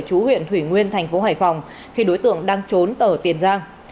chú huyện thủy nguyên thành phố hải phòng khi đối tượng đang trốn ở tiền giang